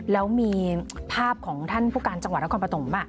แล้วมีภาพของท่านผู้การจังหวัดและความประสงค์